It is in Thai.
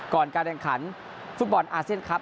การแข่งขันฟุตบอลอาเซียนครับ